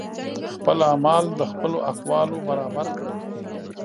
خپل اعمال د خپلو اقوالو برابر کړئ